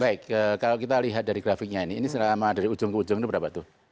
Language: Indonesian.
baik kalau kita lihat dari grafiknya ini ini selama dari ujung ke ujung ini berapa tuh